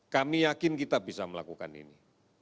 kami yakin kita bisa melakukan ini